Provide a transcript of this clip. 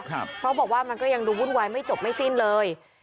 เพราะบอกว่ามันก็ยังดูวุ่นวายไม่จบไม่สิ้นเลย